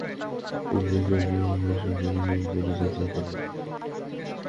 পূর্বে কেউ ড্রেগমোর সাগরের ওপারে যাত্রা করেনি।